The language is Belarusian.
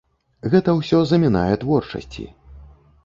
Гэта ўсё замінае творчасці.